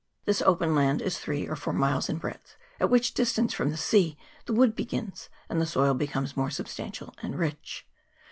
This open land is three or four miles in breadth, at which distance from the sea the wood begins, and the soil becomes more sub stantial and rich.